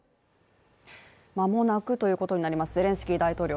間もなくということになります、ゼレンスキー大統領、